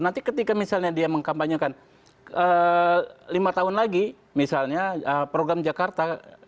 nanti ketika misalnya dia mengkampanyekan lima tahun lagi misalnya program jakarta